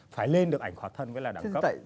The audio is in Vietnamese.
phải lên được ảnh khỏa thân với là đẳng cấp